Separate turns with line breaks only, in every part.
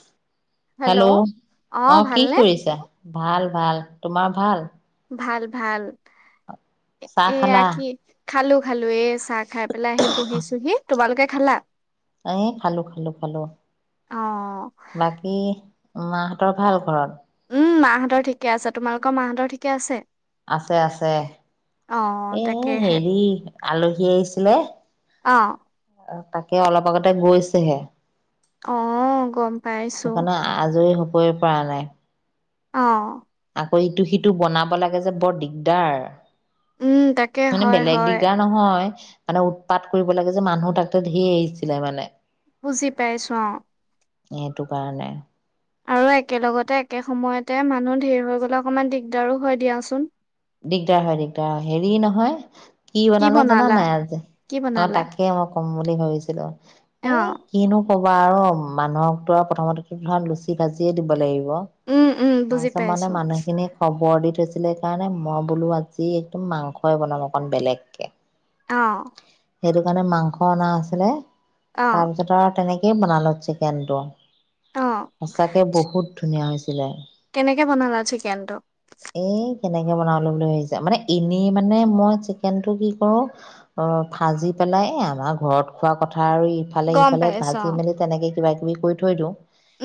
[inaudible] Hello
অ
অঁ, কি
ভালনে
কৰিছা? ভাল ভাল তোমাৰ ভাল?
ভাল ভাল।
চাহ
এয়া
খালা
কি, খালো খালো এ চা। চাহ খাই পেলাই আহি বহিছোহি তোমালোকে খালা?
এ খালো খালো খালো
অ
বাকী, মাহঁতৰ ভাল ঘৰত?
উম মাহঁতৰ ঠিকে আছে তোমালোকৰ মাহঁতৰ ঠিকে আছে?
আছে আছে
অ
এ
তাকেহে
হেৰি আলহী আহিছিলে।
অ
তাকে অলপ আগতে গৈছেহে।
অহ গম পাইছো
ই পৰা নাই।
অঁ
অ ইটো সিটো বনাব লাগে যে বৰ দিগদাৰ।
উম তাকে
মানে
হয়
বেলেগ
হয়
দিগদাৰ নহয়। মানে উৎপাত কৰিব লাগে যে মানুহ তাতে ধেৰ আহিছিলে মানে।
বুজি পাইচো অঁ।
সেইটো কাৰণে।
আৰু একেলগতে একে সময়তে মানুহ ধেৰ হৈ গলে অকমান দিগদাৰো হয় দিয়াচোন।
দিগদাৰ হয় দিগদাৰ হয় হেৰি, নহয় কি বনালো জানা নাই? আজি
কি
অ
বনালা
তাকে মই। ক'ম বুলি ভাবিছিলোঁ।
অ
এ কিনো ক'বা আৰু মানুহকতো আৰু প্ৰথমতো ধৰা লুচি ভাজিয়ে দিব লাগিব।
উম উম বুজি
ছ মানে
পাইছো
মানুহখিনি খবৰ দি কৈছিলে কাৰণে মই বোলো আজি একদম মাংসই বনাম অকণ বেলেগকে
অ
সেইটো কাৰণে মাংস অনা আছিলে
অ
তাৰপিছত আৰু তেনেকে- কি বনালো চিকেনটো
অ
সঁচাকে বহুত ধুনীয়া হৈছে।
কেনেকে বনালা চিকেনটো
এই কেনেকে বনাবলৈ আহিছে মানে এনেই মানে মই চিকেন টো কি কৰো অ ভাজি পেলাই আমাৰ ঘৰত খোৱা কথা। ইফালে
গম
সিফালে
পাইছো
ভাজি
অ',
মেলি তেনেকে কিবা কিবি কৰি থৈ দিওঁ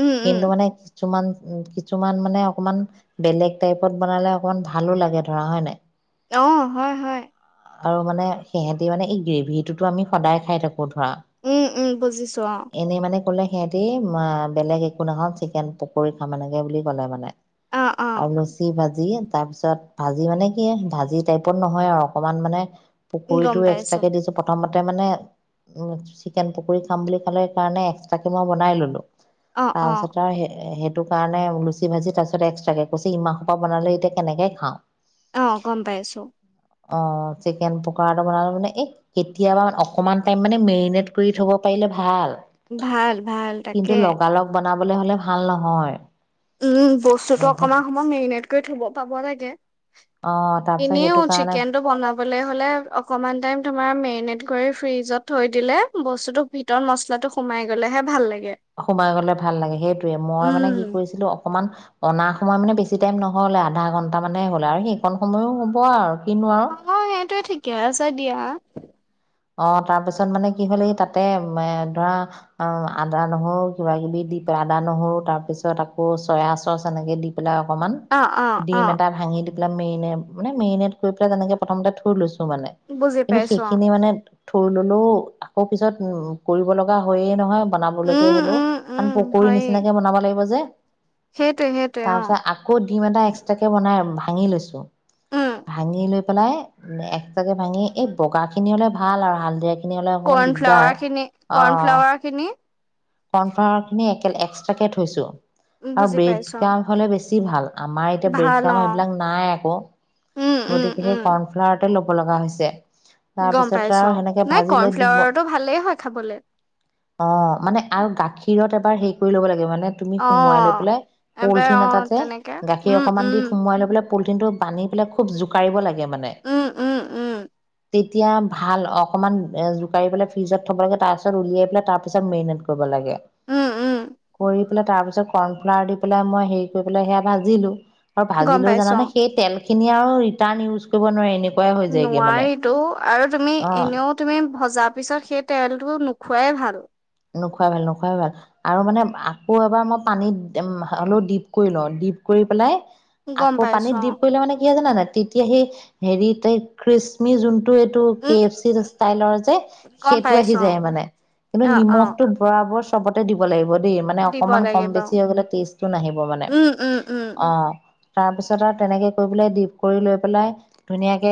উম, উম,
কিন্তু মানে কিছুমান উ কিছুমান মানে অকমান বেলেগ টাইপত বনালে অকমান ভাল। ভালো লাগে ধৰা হয় নাই।
অ হয় হয়
আৰু মানে সিহঁতে মানে এই গ্ৰেভিটোতো আমি সদায় খাই থাকো। ধৰা
উম, উম, বুজিছো অ',
এনে মানে কলে সিহঁতি বেলেগ একো নহক চিকেন পকৰি খাম এনেকৈ বুলি ক'লে মানে
অ',
আৰু
অ',
লুছি ভাজি তাৰপিছত ভাজি মানে কি ভাজি টাইপত নহয় আৰু অকমান মানে।
গম
পুকুৰীটো
পাইছো
এক্সট্ৰাকে দিছো প্ৰথম ততে মানে উ চিকেন পকৰী খাম বুলি খালে কাৰণে এক্সট্ৰাকে মই বনাই ললো।
অ', অ',
তাৰপিছত আৰু সেই সেইটো কাৰণে লুচি ভাজি তাৰপিছত এক্সট্ৰাকে কৈছি ইমাহ হোপা বনালে এতিয়া। কেনেকে খাওঁ।
অ', গম পাইছো।
অ চিকেন পকৰাটো বনালো মানে এই কেতিয়াবা অকণমান টাইম মানে মেৰিনেট কৰি থব পাৰিলে ভাল।
ভাল ভাল
কিন্তু
তাকে
লগালগ বনাবলৈ হলে ভাল নহয়।
উম বস্তুটো
সেইটো
অকণমান সময় মেৰিনেট কৰি থব পাব লাগে।
অ
লাগে
তাৰপিছত
এনেও
সেইটো কাৰণে
চিকেন টো বনাবলে হলে অকমান টাইম তোমাৰ মেৰিনেট- কৰি ফ্ৰিজত থৈ দিলে বস্তুতো ভিতৰত মছলাটো সোমাই গ'লেহে ভাল লাগে।
সোমাই গলে ভাল লাগে সেইটোৱে মই মানে
উম,
কি কৰিছিলো। অকমান অনা সময় মানে বেছি টাইম নহয়লে আধা ঘন্টা মানে হলে আৰু সেইকণ সময়ো হ'ব আৰু কিনো আৰু
অ সেইটোৱে ঠিকে আছে দিয়া। হয়।
অ তাৰ পিছত মানে কি হল, তাতে ধৰা আদা, নহৰু কিবা-কিবি দি পেলা আদা নহৰু তাৰ পিছত আকৌ চয়া চচ এনেকে দি, চুলাই অকণমান,
অ', অ', অ',
ডিম এটা ভাঙি এইবিলাক মেৰিনেট, মানে মেৰিনেট কৰি পেলাই তেনেকৈ প্ৰথমতে থৈ লৈছোঁ। মানে
বুজি
কিন্তু
পাইছো অ'।
সেইখিনিে মানে থোৰ ললেও আকৌ পিছত উম কৰিব লগা হয়য়ে নহয়। বনাবলৈকে
উম
হ'লেও
উম
কাৰণ
উম
পকীৰি
হয়ে
নিচিনাকে বনাব লাগিব যে।
সেইটোৱে সেইটোৱে অ
ডিম্ এটা এক্সট্ৰাকে বনাই ভাঙি লৈছো,
উম
ভাঙি লৈ পেলাই এক্সট্ৰাকে ভাঙি এই বগা খিনি অলপ ভাল আৰু হাল দে
কৰ্ণফ্লাৱাৰ খিনি কৰ্ণফ্লাৱাৰ খিনি
কৰ্ণফ্লাৱাৰ খিনি একে এক্সট্ৰাকে থৈছো। আৰু
বুজি
ব্ৰেড
পাইছো
কাম হলে বেছি বেছি ভাল আমাৰ এতিয়া ব্ৰেড
ভাল
ক্ৰাম
অ
এইবিলাক নাই আকৌ
উম উম
গতিকে
উম
সেই কৰ্ণফ্লাৱাৰতে ল কব লগা হৈছে
গম
তাৰপিছত
পাইছ,
আৰু সেনেকে
নাই
ভাজি লৈ ডিম
কৰ্ণফ্লাৱাৰটো ভালেই হয় খাবলৈ।
অ মানে আৰু গাখীৰত এবাৰ হেৰি কৰি ল'ব লাগে মানে তুমি
অ
সোমোৱাই লৈ পেলাই
এবাৰ
পলিথিন
অ
এটাতে
তেনেকে
গাখীৰ
উম
অকমান
উম
দি সোমোৱাই লৈ পেলাই পলিটিনটো বান্ধি পেলাই খুব জোকাৰিব লাগে। মানে
উম উম উম
তেতিয়া ভাল অকণমান জোকাৰি পেলাই ফ্ৰিজত থ'ব লাগে তাৰপিছত উলিয়াই পেলাই তাৰপিছত মেৰিনেট কৰিব লাগে।
উম উম
কৰি তাৰ পিছত কৰ্ণ ফ্লাৰ দি পেলাই মই হেৰি কৰি পেলই সেয়া ভাজিলো। আৰু
গম
ভাজিলেও
পাইছো
জানে সেই তেল আৰু ৰিটাৰ্ণ ইউজ কৰিব নোৱাৰি এনেকুৱা
নোৱাৰিতো আৰু তুমি
অ
এনেও তুমি ভজা পিছত সেই তেলটো খুৱাই ভাল
নোখোৱাই ভাল নোখোৱাই ভাল আৰু মানে আকৌ এবাৰ মই পানীত হলেও ডিপ কৰি লওঁ ডিপ কৰি পেলাই
গম
আকৌ
পাইছো
পানীত
অ
দিপ কৰিলে মানে কি হয় জানা নাই তেতিয়া সেই হেৰিত খিষ্মিছ যোনটো এইটো এইটো কে
উম
এফ চি ষ্টাইলৰ যে
গম
সেইটো আহি
পাইছো
যায় মানে, কিন্তু
অ অ অ
মগটোত ভৰা মোৰ চবতে দিব লাগিব। দি মানে
দিব
অকমান কম
লাগিব।
বেছি হৈ গলে টেষ্টটো নাহিব মানে
উম, উম, উম।
অ। তাৰ পিছত আৰু তেনেকে কৰি পেলাই ডিপ কৰি লৈ পেলাই ধুনীয়াকে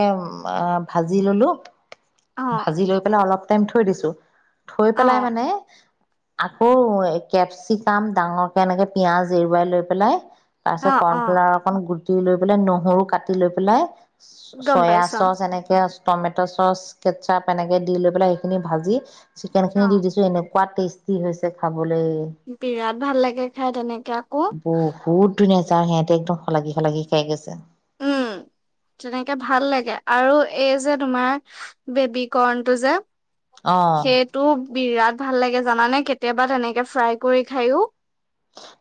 ভাজি ললোঁ।
অ',
ভাজি লৈ পেলাই অলপ থৈ দিছোঁ। পেলাই
অ',
মানে। আকৌ কেপচিকাম ডাঙৰকে এনেকে পিঁয়াজ। এৰুৱাই লৈ পেলাই। তাৰপিছত
অ', অ',
কৰ্ণফ্লাৰ অক দি লৈ পেলাই নহৰু কাটি লৈ পেলাই
গম
চয়া
পাইছোঁ
চচ এনেকে আ টমেট' চচ কেটচাপ এনেকে দি লৈ পেলাই সেইখিনি ভাজি।
অ',
তেলখিনি দি
অ'।
দিছোঁ এনেকে। খোৱাত টেষ্টি হৈছে খাব।
বিৰাট ভাল লাগে খাই তেনেকে আকৌ।
নেযাই হে আৰু সিহঁতে একদম সলাগি শলাগি খাই গৈছে।
উম তেনেকে ভাল লাগে আৰু এই যে তোমাৰ বেবী কৰ্ণটো যে।
অ
সেইটো বিৰাট ভাল লাগে জানানে কেতিয়াবা তেনেকে ফ্ৰাই কৰি খায়ো।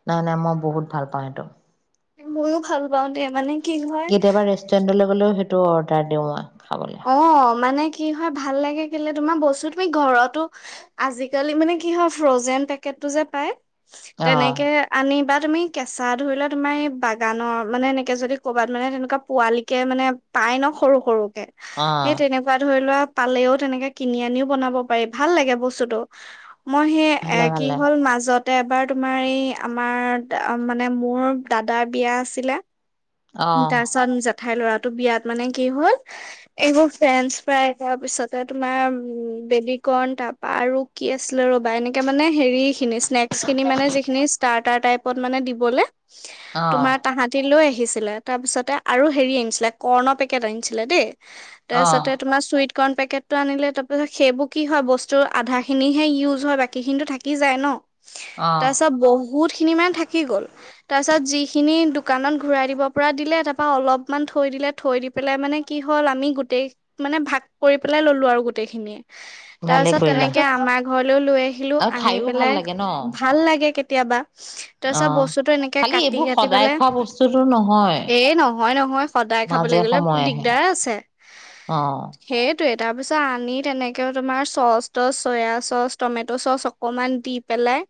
নাই নাই মই বহুত ভাল পাওঁ সেইটো
মইয়ো ভাল পাওঁ দে মানে কি হয়।
লৈ সেইটো অৰ্ডাৰ দিওঁ মই। খাবলৈ
অ মানে কি হয় ভাল লাগে কেলে তোমাৰ বস্তু তুমি ঘৰতো আজিকালি মানে কি হয় ফ্ৰজেন পেকটটো যে পায়।
অ
তেনেকে আনি বা তুমি কেঁচা ধৰি লোৱা তোমাৰ এই বাগানৰ মানে এনেকে যদি ক'বাত মানে তেনেকুৱা পোৱালি কে। মানে পাই ন সৰু সৰুকে
অ
সেই তেনেকুৱা ধৰি লোৱা পালেও তেনেকে কিনি আনিও বনাব পাৰি ভাল লাগে বস্তুতোটো। মই সেই এ
ভালে
কি
ভালে
হ'ল মাজত তে এবাৰ তোমাৰ এই আমাৰ মানে মোৰ দাদাৰ বিয়া আছিলে।
অ
তাৰপিছত জেঠাই ল'ৰা বিয়াত মানে কি হ'ল এইবোৰ ফ্ৰোনচ তাৰ পিছতে তোমাৰ উ বেডিকন তাৰপা আৰু কি আছিলে ৰবা এনেকে মানে হেৰি। স্নেক্চন মানে যিখি ইষ্টাৰত। টাইপত দিবলৈ মানে
অ
তোমাৰ তাহাঁতি লৈ আহ আহিছিলে তাৰপিছতে আৰু হেৰি আনিছিলে কৰ্ণ পেকেট আনিছিলে দেই তাৰপিছতে
অ',
তোমাৰ চুইত চিকন পেকেটটো আনিলে তাৰপিছত সেইবোৰ কি হয় বস্তু আধা খিনিহে ইউজ হয় বাকী খিনিটো থাকি যায় ন
অ',
ত চব বহুত বহুতখিনি মান থাকি গ'ল তাৰপিছত যিখিনি দোকানত ঘূৰাই দিব কপুৰা দিলে তাৰপৰা অলপমান থৈ দিলে থৈ দি পেলাই মানে কি হ'ল আমি গোটেই মানে ভাগ কৰি পেলাই ল'লোঁ আৰু গোটেইখিনিয়ে তাৰ
ভালে
পিছত
কৰিলা
তেনেকে আমাৰ ঘৰলৈও লৈ আহিলো
আৰু
আনি
খাইও ভাল
পেলাই
লাগে ন
ভাল লাগে কেতি কেতিয়াবা
অ
তাৰপিছত বস্তুটো এনেকে
খালি
কাটি
এইবোৰ
কাটি
সদায়
পেলাই
খোৱা বস্তুতো নহয়
এ নহয় নহয় সদায় খাবলৈ
মাজে
গলে
সময়েহে
দিগদাৰ আছে
অ',
সেই সেইটোৱে তাৰপিছত আনি তেনেকৈ তোমাৰ চচ টচ চয়া চচ টমেট' চচ অকণমান দি পেলাই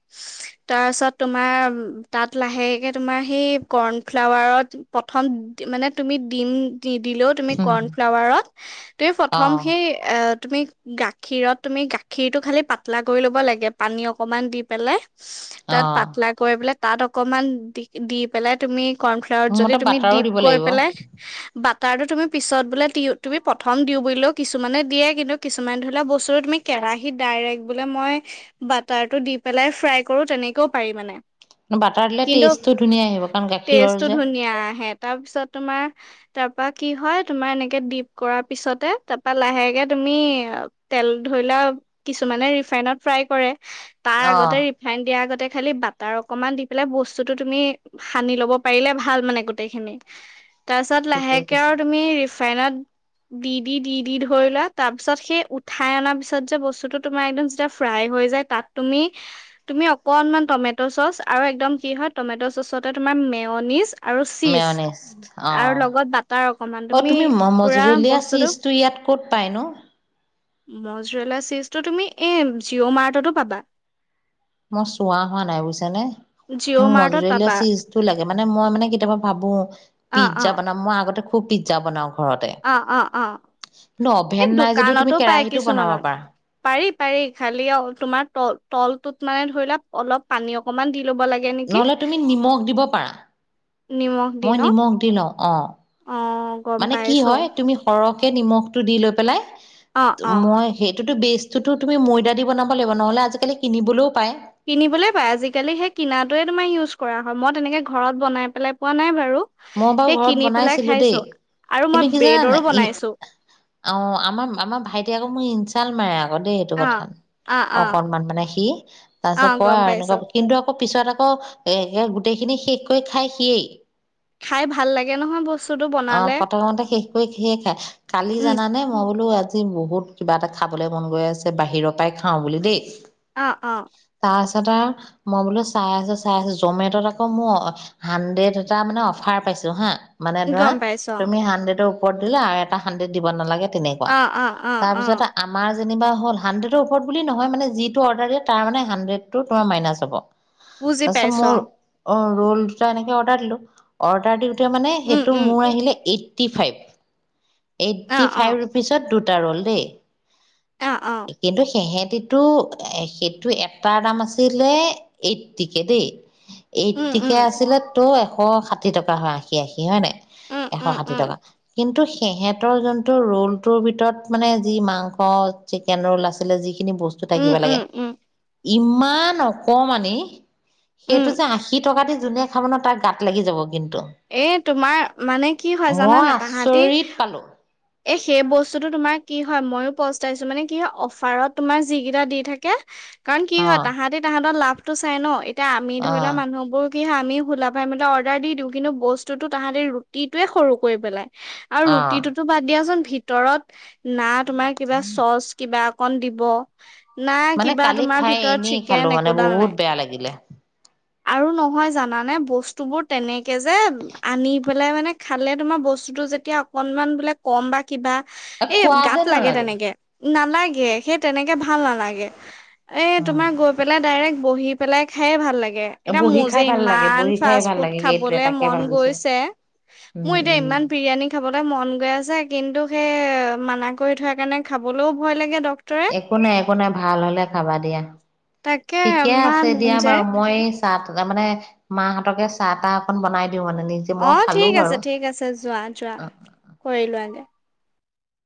তাৰপিছত তোমাৰ তাত লাহেকৈ তোমাৰ সেই কৰ্ণফ্লাৱাৰত প্ৰথম মানে তুমি দিম দিলেও তুমি
উম,
কৰ্ণফ্লাৱাৰত তুমি প্ৰথম
অ',
সেই তুমি গাখীৰত তুমি গাখীৰটোত খালি পাতলা কৰি ল'ব লাগে পানী অকমান দি পেলাই তাত
অ',
পাতলা কয় পেলাই তাত অকমান দি দি পেলাই তুমি ক
মোৰ
যদি
মতে
তুমি
বাটাৰো
টিপ
দিব
কৰি
লাগিব
পেলাই বাটাৰটো পিছত বোলে তুমি প্ৰথম দি বুলিকলেও কিছুমানে দিয়ে কিন্তু কিছুমান ধৰি লোৱা বস্তু তুমি কেৰাহিত ডাইৰেক্ট বোলে মই বাটাৰটো দি পেলাই ফ্ৰাই কৰো তেনেকেও পাৰি মানে
বাটাৰ দিলে টেষ্টটো ধুনীয়া আহিব কাৰণ গাখীৰৰ
টো
যে
ধুনীয়া আহে তাৰপিছত তোমাৰ তাৰ পৰা কি হয় তুমাৰ এনেকে ডিপ কৰাৰ পিছতে তাৰপা লাহেকে তুমি তেল ধৰিলা কিছুমানে ৰিফাইনত ফ্ৰাই কৰে তাৰ আগতে
অ',
ৰিফাইন দিয়া আগতে খালি বাটাৰ অকমান দি পেলাই বস্তুতটো তুমি সানি ল'ব পাৰিলে ভাল মানে গোটেইখিনি তাৰপিছত
ঠিকেই
লাহেকে
কৈছা
আৰু তুমি ৰিফাইনত দি দি দি দি ধৰি লোৱা তাৰপিছত সেই উঠাই অনা পিছত যে বস্তুটো তোমাৰ বাৰাদি কৰিয়ে তুমি তুমি অকণমান টমেট চ অচ আৰু একদম কি হয় টমেট চনত তোমাৰ মে নন ইছ
মেনেষ্ট অ
বাটাৰ অকমান
অ তুমি
পুৰা
মজলীয়া
বস্তুটো
চীজটো ইয়াত ক'ত পাইনো
মজৰেলা চীজটো তুমি এই জিঅ' মাৰ্টতো পাবা
মই চোৱা হোৱা নাই বুইচা নে ম
জিঅ' মাৰ্টত
মজলিয়া
পাবা
চিজটো লাগে মানে মই মানে কেতিয়াবা ভাবো পিজ্জা বনাম আগতে খুব পিতজা বনাওঁ।
অ-অ-অ, এই
অভেন নাই যদিও তুমি
দোকানতো পায়,
কেৰাহীটো বনাব
কিছুমানত
পাৰা
পাৰি-পাৰি খালি অ' তোমাৰ তল-তলটোত। মানে ধৰি ল' অলপ পানী অকমান দি ল'ব লাগে নেকি
নহলে তুমি নিমখ দিব পাৰা।
নিমখ দি ন',
অঁ',
অ গম
মানে কি
পাইছো
হয়, তুমি সৰহ তাকে, নিমখটো দি লৈ পেলাই
অ অ
মই সেইটো সেইটোটো বেষ্ট, তুমি ময়দা দি বনাব লাগিব। নহ'লে আজিকালি কিনিবলৈও পায়
কিনিবলৈও জালি-কালি সেই কিনাটো উচ কৰা হয়, মই তেনেকে ঘৰত বনাই পেলাই পোৱা নাই বাৰু।
মই বাৰু
সেই
ঘৰত
কিনি পেলাই
বনাইছিলো দেই
খাইছো আৰু মই
কিন্তু কি জান
ব্ৰেডৰো
ই
বনাইছো
অ' আমাৰ-আমাৰ, ভাইটি আকৌ মোৰ ই চাল ম আক দেই, এইটো
অ
কথা
অ অ
অকনমান মানে সি তাৰ
অ
পিছত কয়
গম
আৰু
পাইছো
এনেকুৱা কিন্তু আকৌ পিছত আকৌ এ গোটেইখিনি শেষকৈ খাই। সিয়েই,
খাই ভাল লাগে নহয় বস্তুটো
অ'
বনালে
প্ৰতমতে শেষ কৰি সিয়েই খাই। কালি
উম
জানানে মই বোলো, আজি বহুত কিবা এটা খাবলৈ মন গৈ আছে, বাহিৰৰ পৰাই খাওঁ বুলি দেই।
অ-অ,
তাপিছত আৰু মই বোলো চাই আছো, চাই আছো, জমেটত আকৌ মোৰ হাড্ৰেড এটা মানে অফাৰ পাইছোঁ হা। মানে ধৰা
গম পাইছো
তুমি হাড্ৰেডৰ ওপ দিলে আৰু এটা হাণ্ড্ৰেড দিব নালাগে, তেনেকুৱা,
অ অ অ অ অ
তাৰপিছত আমাৰ যেনা হ'ল হানড্ৰেদ বুলি নহয় মানে যিটো অৰ্ডাৰ দিয়ে তাৰ মে হানড্ৰেডটো তোমাৰ মনাচ হব।
বুজি
তাৰপিছত
পাইছোঁ।
মোৰ
অ',
অ', ৰুল দুটা এনেকে অডাৰ দিলোঁ। অৰ্ডাৰ মানে
উম
সেইটো,
উম
মোৰ আহিলে এইট ফফটি ফাইভ।
অ
এইট্টি
অ
ফাইভ ৰুপিচত দু ৰল' দেই।
অ অ
কিন্তু সেহে এইটো সেইটো এটাৰ দাম আছিলে এইটটিকে দে
উম,
এইটটিকে
উম,
আছিলে ত অ সাত ষাঠ টকা আশী আশী হয়নে
উম,
এশ
উম,
ষাঠি
উম,
টকা কিন্তু সিহেঁতৰ যোনটো ৰোলটোৰ ভিতৰত মানে যি মাংস চিকেন ৰোল আছিলে যি খিনি বস্তু
উম,
থাকিব লাগে
উম, উম,
ইমান অকমানি সেইটো
উম।
যে আশী টকা দি যুনে খাব ন তাৰ গাত লাগি যাব কিন্তু
এ তোমাৰ মানে কি হয়
মই
জানানে তাহাঁতি
আচৰিত পালো
এ সেই বস্তুটো তোমাৰ কি হয় ময়ো পস্তাইছো মানে কি হয় অফাৰত তুমাৰ যিকিটা দি থাকে কাৰণ কি
অ
হয় তাহাঁতি তাহাঁতৰ লাভ টো চাই ন ইত এতিয়া আমি
অ
ধৰি লোৱা মানুহবোৰ আমি সুলাভাই মোলে অৰ্ডাৰ দি দিওঁ কিন্তু বস্তুতো তাহাঁতি ৰুটিটোয়ে সৰু কৰি পেলাই আৰু
অ
ৰুটিটোতো বাদ দিয়াচোন ভিতৰত নাক তোমাৰ কিবা চচ কিবা কণ দিব নাই
মানে
কিবা
কালি
তোমাৰ
খাই
ভিতৰত
এনেই
চিকেন
খালো মানে
একোডাল
বহুত
নাই
বেয়া লাগিলে
আৰু নহয় জানা নে বস্তু বোৰ তেনেকে তাকে যে আনি পেলাই মানে খালে তোমাৰ বস্তুটো যেতিয়া অকণমান বোলে কম বা কিবা এই
খোৱা
গাত
যেন
লাগে
নালাগে
তেনেকে নালাগে সেই তেনেকে ভাল নালাগে এ
উম
তোমাৰ গৈ পেলাই ডাইৰেক্ট বহি পেলাই খায়ে ভাল লাগে এতিয়া
বহি
মোৰ যে
খাই ভাল লাগে
ইমান
বহি খাই
ফাষ্ট
ভাল
ফুড
লাগে
খাই
সেইটোৱে
খাবলে
তাকে
মন
ভাবিছো
গৈছে
উম
মোৰ এতিয়া
উম
ইমান বিৰিয়ানী খাবলৈ মন গৈ আছে কিন্তু এ মানা কৰি থোৱা কাৰণে খাবলৈও ভয় লাগে ডক
একো নাই একো নাই ভাল হলে খাবা দিয়া
তাকে
ঠিকে
ইমান
আছে
মন
দিয়া বাৰু
যায়
মই চাহ ত তাৰ মানে মাহঁতকে চাহ তাহ অকন বনাই দি
অঁ, ঠিক আছে, ঠিক আছে, যোৱা যোৱা
অ
কৰি লোৱাগে।